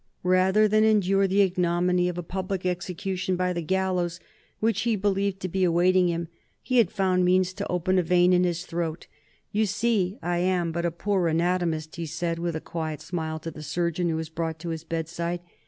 Bather than endure the ignominy of a public execution by the gallows, which he believed to be awaiting him, he had found means to open a vein in his throat. "You see I am but a poor anatomist," he said with a quiet smile to the surgeon who was brought to his bedside.